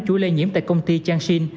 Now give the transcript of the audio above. chuối lây nhiễm tại công ty changshin